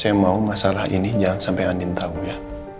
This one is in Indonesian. saya mau masalah ini jangan sampai andin tahu ya